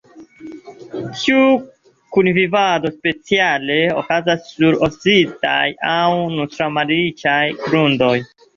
Tiu kunvivado speciale okazas sur acidaj aŭ nutraĵ-malriĉaj grundoj.